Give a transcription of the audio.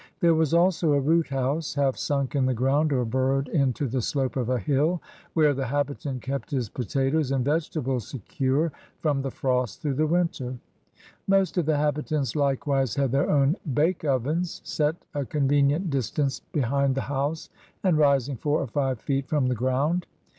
There was also a root house, half sunk in the ground or burrowed into the slope of a hill, where the habitant kept his potatoes and vegetables secure from the frost through the winter. Most of the habitants likewise had their own bake ovens, set a convenient distance behind the house and rising foiur or five feet from the ground.